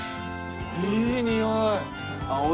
いいにおい！